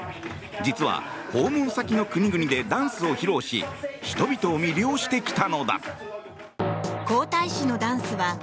実は訪問先の国々でダンスを披露し人々を魅了してきたのだ。